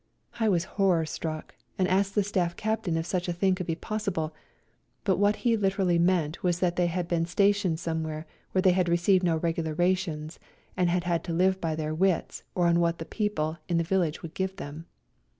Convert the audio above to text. I was horror struck, and asked the Staff Captain if such a thing could be possible, but what he literally meant was that they had been stationed somewhere where they had received no regular rations, and had had to live by their wits or on what the people in the village would give them.